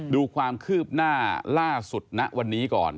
ดูความคืบหน้าล่าสุดณวันนี้ก่อน